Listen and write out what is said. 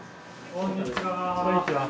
こんにちは。